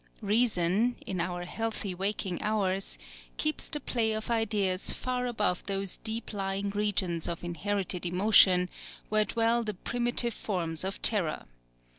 Reason, in our healthy waking hours, keeps the play of ideas far above those deep lying regions of inherited emotion where dwell the primitive forms of terror.